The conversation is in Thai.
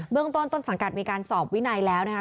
เรื่องต้นต้นสังกัดมีการสอบวินัยแล้วนะคะ